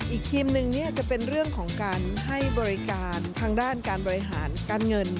อีกทีมหนึ่งจะเป็นเรื่องของการให้บริการทางด้านการบริหารการเงิน